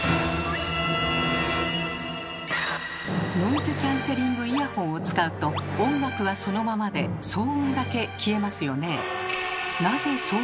ノイズキャンセリングイヤホンを使うと音楽はそのままで騒音だけ消えますよね。